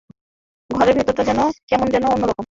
ঘরের ভেতরটা কেমন যেন অন্য রকম।